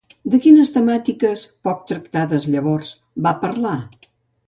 De quines temàtiques, poc tractades llavors, va parlar?